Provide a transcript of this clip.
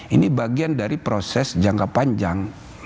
ini bagian dari proses jangka panjang